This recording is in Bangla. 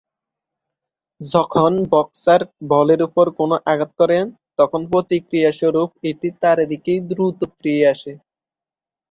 যখন বক্সার বলের উপর কোনও আঘাত করেন, তখন প্রতিক্রিয়া স্বরুপ এটি তার দিকেই দ্রুত ফিরে আসে।